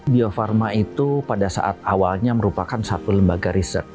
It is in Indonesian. bio farma itu pada saat awalnya merupakan satu lembaga riset